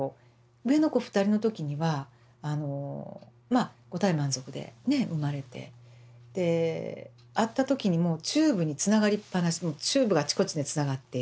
上の子２人の時にはあのまあ五体満足で生まれてで会った時にもチューブにつながりっぱなしチューブがあちこちでつながってる。